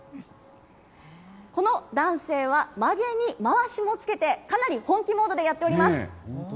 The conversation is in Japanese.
この男性はまげにまわしもつけて、かなり本気モードでやっております。